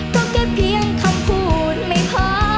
ก็เก็บเพียงคำพูดไม่พอ